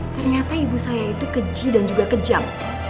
ternyata ibu saya itu keji dan juga kejam